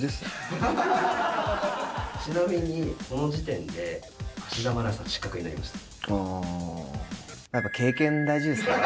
ちなみにこの時点で芦田愛菜さん失格になりました。